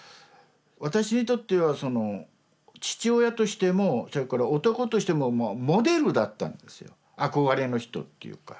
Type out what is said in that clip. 私にとっては父親としてもそれから男としてもモデルだったんですよ憧れの人っていうか。